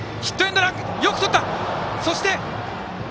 よくとった！